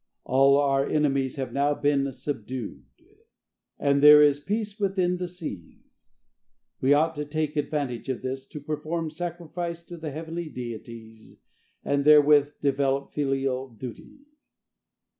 All our enemies have now been subdued, and there is peace within the seas. We ought to take advantage of this to perform sacrifice to the heavenly deities, and therewith develop filial duty."